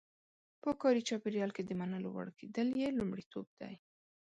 په کاري چاپېریال کې د منلو وړ کېدل یې لومړیتوب دی.